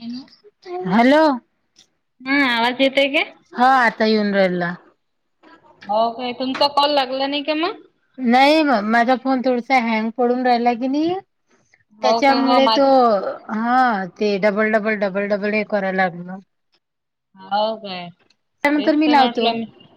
Hello. Hello हा आज जतेक तयनरला हो काही तुमचा कॉल लागला नाही का मग नाही मग माझा फोन थोडसा हँग पडून राहिला की नाही हो काय हो त्याच्यामुळे माझ तो हा ते डबल डबल डबल डबल कराय लागलं हो काय त्यानंतर तेच मी का लावतो म्हटलं मी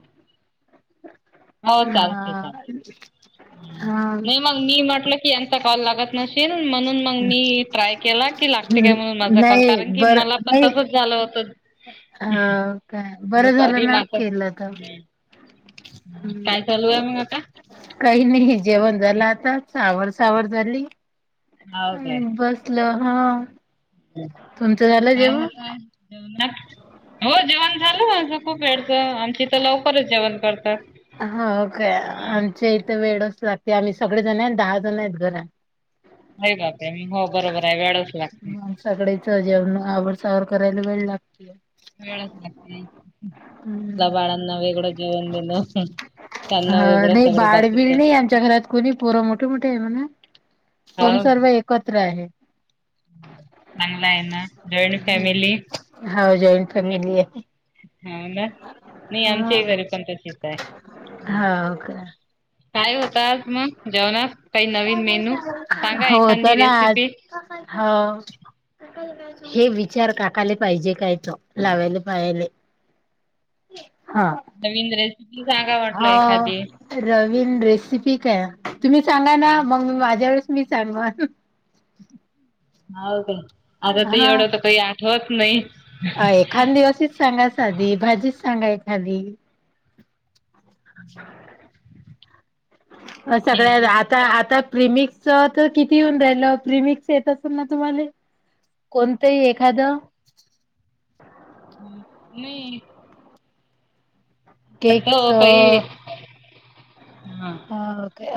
हो चालते चालते. हा हा नाही मग मी म्हटलं की यांचा कॉल लागत नशील म्हणून मग मी ट्राय केला की लागते का म्हणून माझा कॉल नाही कारण की बर मला पण नाही तसंच झालं होतं अ काय बरं झालं दुपारी ना माझं केलं तर काय चालू आहे मग आता? काही नाही जेवण झालं आताव सावरवरधली हो अ काय बसलं हा तुमचं झालं काय जेव्हा, होतय जेवणात? हो जेवण झालं माझ खूप वेळचं आमची तर लवकरच जेवण करतात. हा काय आमच्या इथे वेळच लागते आम्ही सगळे जण आहेत दहा जण आहेत घरात अरे बापरे! मग हो बरोबर आहे वेळच लागते. माणसाकडेच जेव हं, आवड, सावर करायला वेळ लागतो, वेळ मला हम्म बाळांना वेगळं जीवन दिल हा नाही बाळबल हो नाही आमच्या घरात कोणी पोरं मोठे मोठे आहे म्हणा पण सर्व चांगलं एकत्र आहे चांगला आहे ना जॉईंट फॅमिली हा जॉईंट उलट फॅमिली आहे हो ना नाही हा आमच्याही घरी पण तशीच आहे. हा काय काय होत आज मग जेवणात काही नवीन मेनू सांगा हो तर एखादी ना आज हो ह हे विचार काकाले पाहिजे काय त लावायला पाहाले रवींद्र हा नवीन रेसिपी काय तुम्ही सांगा ना मग माझ्यावरच मी सांग हो का आता ते एवढं तर काही आठवत नाही अ एखादीवशीच सांगा साधी भाजीच सांगा एखादी अ हे सगळ्या आता दुसरं आता प्रिमिक च तर किती येऊन राहिलं प्रिमिक्स येत असेल ना तुम्हाला कोणतंही एखादं नाही तर केक्स तो काही हा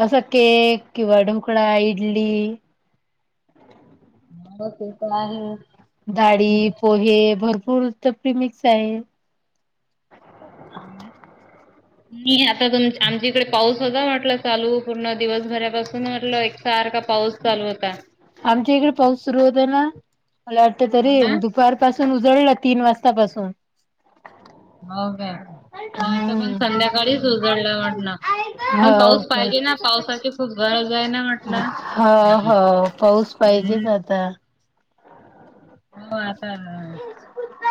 असा केक किंवा डुकळा इडली ह ग ते त ाळी पोहे भरपूर त प्रीमिक्स आहे नाही आता तुम आमच्या इकडे पाऊस होता वाटला चालू पूर्ण दिवसभरापासून म्हटलं एकार आमच्या इकडे पाऊस सुरू होता ना मला वाटत तरी हो ना दुपार पासून उजळलं तीन वाजतापासून हो काे इथं पण हम्म संध्याकाळीच उजळलं म्हट ना पण हो पाऊस पाहिजे ना का पावसाची खूप गरज आहे ना म्हटलं हो हो पाऊस हम्म पाहिजेच आता ह आता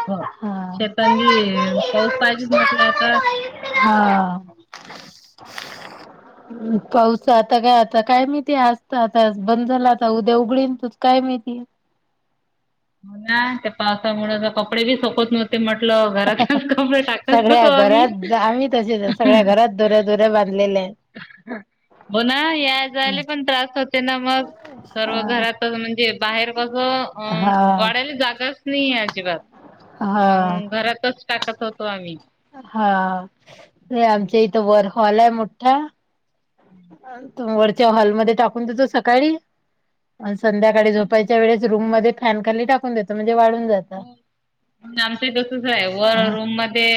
हो हा. शेतांली, पाऊस पाहिजे म्हटला आता. हा. ह [inaudible] पाऊस आता काय आता काय मीहीती आजत आता बंद झाला, आता उद्या उघडीन काय? काय माहीती. मला ते पावसामुळे कपडे बी सोकत नव्हते, म्हट लं घरातलेच कपडे टाकत सगळ्या होतो, आम्ही. घरात आम्ही तसेच आहे सगळ्या घरात दोऱ्या दोऱ्या बांधलेल्या आहेत. बना या जाले पण त्रास होते. ना मग. सर्व हा घरातच म्हणजे बाहेर बघ अ हा पडायला जागाच नाहीये, अजिबात. मग घरातच टाकत होतो आम्ही. हा. आमच्या इथं वर हॉलये मोठठा. तो वरच्या हॉलमध्ये टाकून देतो, सकाळी संध्याकाळी झोपायच्या वेळेस रूम मध्ये फॅन खाली टाकून देत, म्हणजे वाळून जात. हो. आमच तसच आहे, वर रूम मध्ये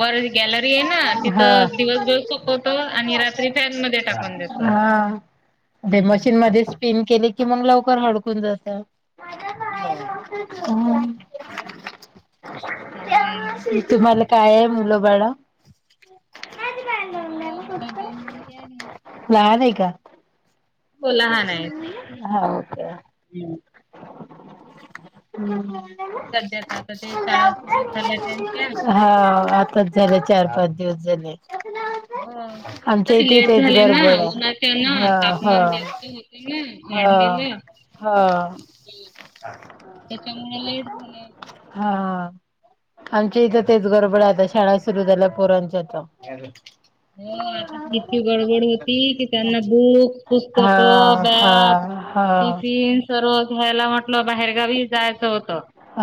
वर गॅलरीयेना तिथं दिवस सूकवतो आणि रात्री फॅन म हा ते हम्म मशीन मध्येच पिन केले की मग लवकर हडकून जात. हो. हम्म. चागलय. काय आहे मुलं बाळ. जवळ मला दोन मुली आहेत. लहान आहे का? हाव का? हम्म. हम्म हम्म. सध्या तर आता ते शाळा सुरू झाल्या त्यांच्या. हाव. बस झाले, चार पाच दिवस झाले. हो आमच्या तरी इथे इ तेच गडबडये, हाव. मान जास्त होते ना, वाढलेलं. हा त्याच्यामुळे लेट झाले हा. आमच्या इथं तेच गडबडे, आता शाळा सुरु झाल्या, पोरांच्या आता. हो आता त इतकी गडबड होती की, त्यांना बुक, पुस्तक, हा हा बॅग, हा टिफिन स यला म्हटलं बाहेरगावी जायचं होत,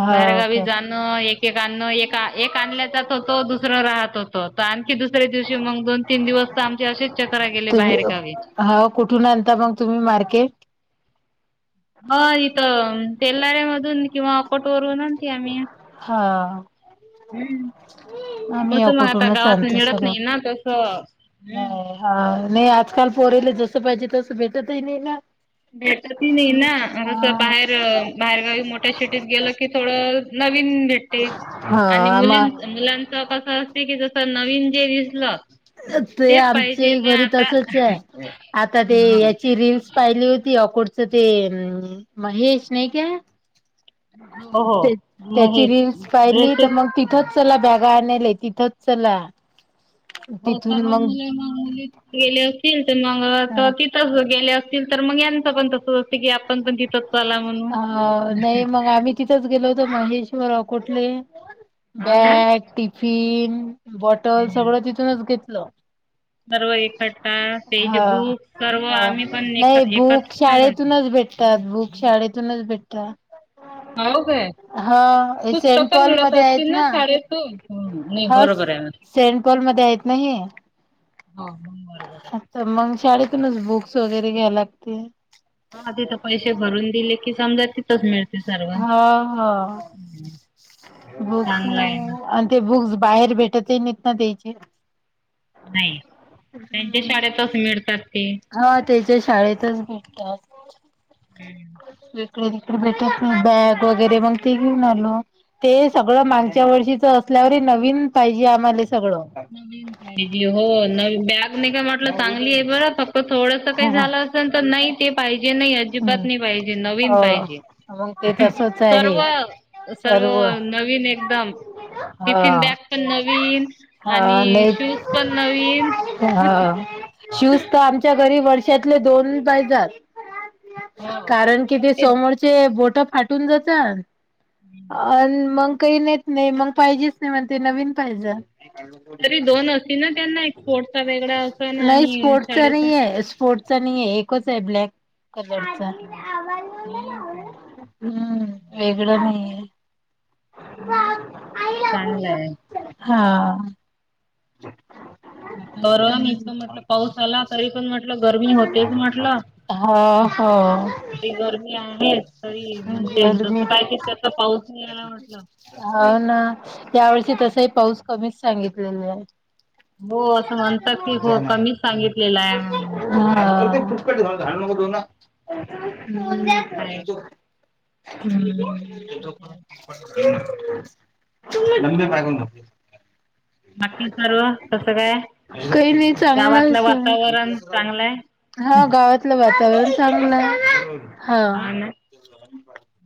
हा बाहेरगावी का जाणं. आणि एकआणल्या जात होत, दुसरं राहत होत. आणखी दुसरे दिवशी मग दोन तीन दिवस तर आमचे असेच चक्र गेले तुम्ही बाहेर गावी. हा कुठून आणता मग तुम्ही मार्केट? ह इथं तेेलऱ्या मधून किंवा अ कोट वरून आणती आम्ही. हम्म. आमी या कसं मग कोट आता वर्णन गावात आणतो मिळत सगळ, नाही ना तसं हम्म. नाही हा नाही आजकाल पोरला जस पाहिजे तस भेटतही नाही ना. भेटती नाही ना तस बाहेर हा बाहेरगावी मोठ मोठ्या शीटीत गेलं की थोडं नवीन भेटते. आणि हा मग मुलीं मुलांच कस असते की, जसं नवीन जे दिसलं ते तेच आमच्या पाहिजे ना घरी आता तसचे, आता ते याची रीलस पाहिली होती. अकोडचं ते महेश नाही का? हो हो त्याची हे रील पाहिली त ड्रेसेस मग तिथ चला बॅग गा अनले तिथच चला. हो तिथून सर्व मग मुलेली गेले असतील तर मंग तर तिथच गेले अस तर मगचं पण तस की आपण पण ति तत्वा आला अ म्हणून नाही मग आम्ही तिथंच गेलो महेश्वर अकोठले हो ना बॅग टि फीन बॉटल सगळं तिथूनच घेतलं सर्व इकट्ठा त्याचे हा बुक सर्व हा आम्ही पण एक नाही बुक एकत्र करतो. शाळेत ूनच भेटतात बुक शाळेतूनच भेटतात हो काय हा सेंट पुस्तकं पॉल मिळत मध्ये आहेत असतील ना शाळेतून? हम्म नाही ह बरोबर आहे मॅम. सेंट पॉल म ेत नाही हा मंग बरोबर आहे बुक्स वगैरे घ लागते ह हो तिथ पैसे भरून दिले की समजा तिथंच मिळते सर्व. हा ह बस चांगला आहे ना. आणि ते बुक्स बाहेर भेटतनत ना त्यायचे नाही त्यांच्या शाळेतस मिळतात ते हा त्याच्या शाळेतच इकडे तिकडे भेटत नाही, बॅग वगैरे मग ते घेऊन आलो. ते सगळं मागच्या वर्षीच असल्यावर नवीन पाहिजे आम्हाले. हो न बॅग नाही काय म्हटलं चांगली आहे बर फक्त थोडस काही हा हा झालं तर नाही ते पाहिजे नाही अजिबात हम्म नाही पाहिजे नवीन हो पाहिजे मग ते तसच आहे सर्व सर्व नवीन एकदम टिफिन हा बॅग पण नवीन हा आणि नाही शूज पण नवीन हा शूज तर आमच्या घरी वर्षातले दोन पाहिजात ह कारण की ते समोरचे बोट फाटून जात आणि मग काही नाहीेत नाही मग पाहिजेच नाही म्हण ते नवीन पाहिजे तरी दोन असतील ना त्यांना एक स्पोर्टचा वेगळा असन नाही आणि स्पोर्ट्सचा शाळेचा नाही आहे स्पोर्ट्स नाही एकच आहे ब्लॅक कलरचा हम्म काय हम्म वेगळं नाही आहे हो ना चांगलंय हा ह परवा म्हटलं पाऊस आला तरी पण म्हटलं गरमी होतेच म्हटलं हो हो तरी गरमी आहे तरी म्हणजे गरमी जसं काय ते तस पाऊस नाही यायला म्हटलं हो ना त्या वर्षी तसही पाऊस कमीच सांगितलेला आहे रथथ सांगितलेलं आहे फुटकट म्हणून ना काय हुं म्हणजे हुं [unintelligible] बाकी सर्व कसं काय कइ नाही चांगलं गावातलं अस वातावरण आहे. चांगलं आहे हा गावातलं वातावरण चांगलं आहे. हा [unintelligible]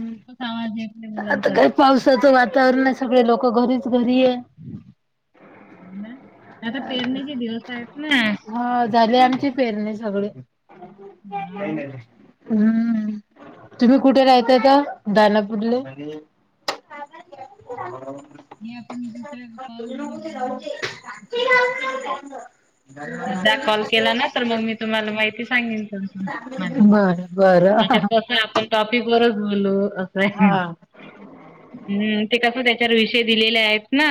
खूपच आवाज येत नाही आता मुलांचा काय पावसाचं वातावरण आहे. सगळे लोक घरीच घरी आहे. [unintelligible] आता पेरणीचे दिवस आहेत ना हा झाली आमची पेरणी सगळी. हा नाही ना नाही नाही. हम्म तुम्ही कुठे रायते आता दालापूरले. [unintelligible] [unintelligible] बोलू ना [unintelligible] साधा कॉल केला ना तर मग मी तुम्हाला माहिती सांगेन माझी. बरं बरं त्याच्यात कस आहे आपण टॉपिक वरच हलो असं आहे हा. ह् ते कस त्याच्यावर विषय दिलेले आहेत ना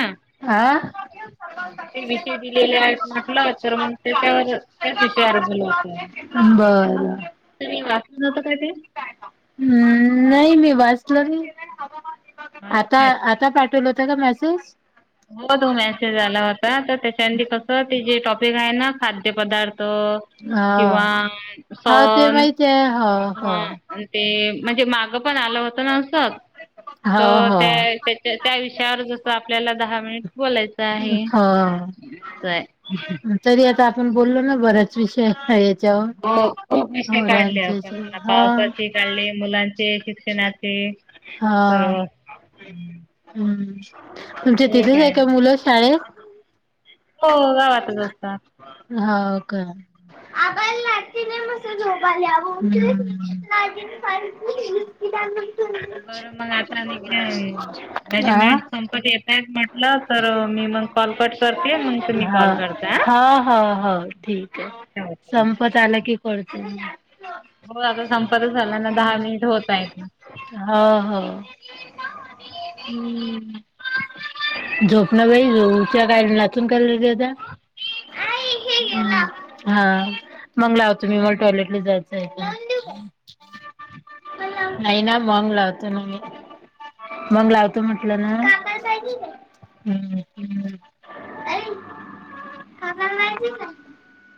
ते विषय दिलेले आहेत म्हटलं तर मग त्याच्यावर [unintelligible] त्याच विषयावर बोलू आपण बरं. तुम्ही वाच हम्म नाही मी वाचलं नाही. हो आता काय आता पाठवलं होत का मेसेज. हो तो मेसेज आला होता तर त्याच्या मधी कस ते जे टॉपिक आहे ना खाद्य पदार्थ र्थ किंवा हा. हो ते सण माहिती आहे हो हो ह ते म्हणजे माग पण आलं होत ना अस त हो हो. त्या त्याच्या त्या विष यावर जस आपल्याला दहा मिनिट बोलायचं आहे. हो तरी आता आपण बोललो ना बऱ्याच विषयात आहेत. हो खूप विषय काढले आपण हा पावसाची काढले मुलांचे शिक्षणाचे हा. सर्व. हम्म तुमच्या हे तिथेच आहे काय का ना मुलं शाळेत. हो गावातच असता. हा का. [unintelligible] [unintelligible] बरं मग आता निघले आहे माझी आ? मेट संपत येतायेत म्हटलं तर मी मग कॉल कट करते मग तुम्ही हा कॉल करता हा हा हा ठीक आहे. हां संपत आल कीे कॉल पण. होय आता संपतच आला ना दहा मिनिट होत आहेत ना हा ह [inaudible] हम्म. [unintelligible] [inaudible] हा मंग लाव तुम्ही मला काय म्हटलं टॉयलेटला जायचं आता. नाही ना मंग लावते ना मी. मग लावतो म्हटलं ना. [unintelligible]